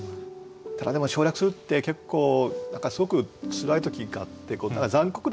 ただでも省略するって結構すごくつらい時があって残酷なんですよね。